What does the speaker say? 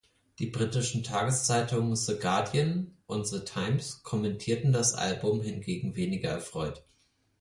Die britischen Tageszeitungen The Guardian und The Times kommentierten das Album hingegen weniger erfreut.